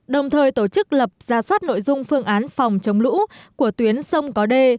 đồng thời tổ chức lập ra soát nội dung phương án phòng chống lũ của tuyến sông có đê